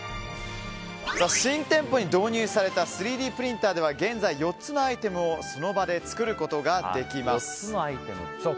新店舗に導入された３Ｄプリンターでは現在４つのアイテムをその場で作ることができます。